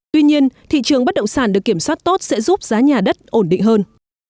tuy nhiên thị trường bất động sản được kiểm soát tốt sẽ giúp giá nhà đất ổn định hơn